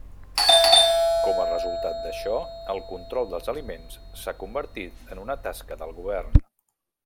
Com a resultat d'això, el control dels aliments s'ha convertit en una tasca del govern.